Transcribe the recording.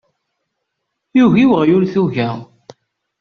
Yugi weɣyul tuga.